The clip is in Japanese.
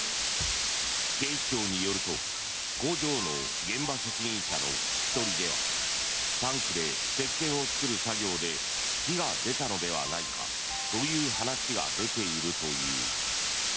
警視庁によると工場の現場責任者の聞き取りではタンクでせっけんを作る作業で火が出たのではないかという話が出ているという。